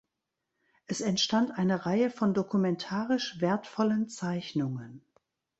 Es entstand eine Reihe von dokumentarisch wertvollen Zeichnungen.